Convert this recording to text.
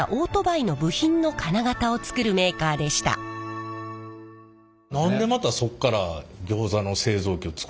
もともとは何でまたそっからギョーザの製造機を作ることになったんですか？